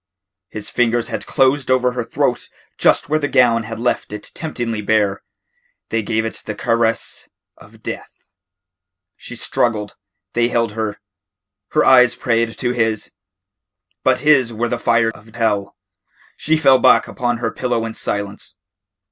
His fingers had closed over her throat just where the gown had left it temptingly bare. They gave it the caress of death. She struggled. They held her. Her eyes prayed to his. But his were the fire of hell. She fell back upon her pillow in silence.